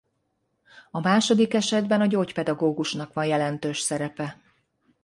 A második esetben a gyógypedagógusnak van jelentős szerepe.